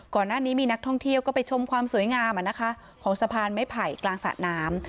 ก่อนหน้านี้มีนักท่องเที่ยวก็ไปชมความสวยงามของสะพานไม้ไผ่กลางสระน้ำ